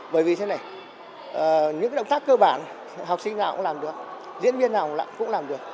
bởi vì thế này những động tác cơ bản học sinh nào cũng làm được diễn viên nào cũng làm được